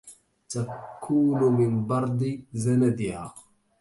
تكون من برد زندها